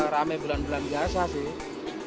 rame bulan bulan biasa sih